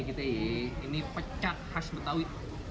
ini pecak khas betawi